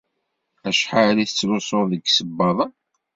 Acḥal i tettlusuḍ deg yisebbaḍen?